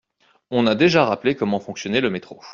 On a déjà rappelé comment fonctionnait le métro.